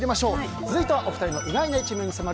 続いてはお二人の意外な一面に迫る